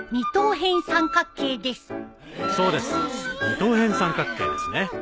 そうです二等辺三角形ですね。